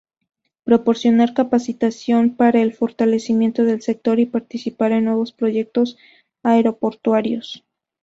Proporcionar capacitación para el fortalecimiento del sector y participar en nuevos proyectos aeroportuarios.